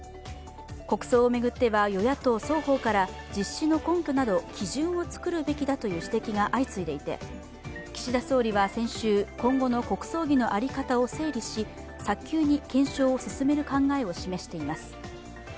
国葬を巡っては、与野党双方から実施の根拠など基準を作るべきだという指摘が相次いでいて、岸田総理は先週、今後の国葬儀の在り方を整理し早急に検証を進める考えを示しています。